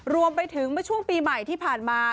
รวมไปถึงเมื่อช่วงปีใหม่ที่ผ่านมา